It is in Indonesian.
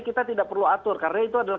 kita tidak perlu atur karena itu adalah